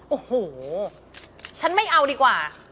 โอ้โหฉันไม่เอาดีกว่า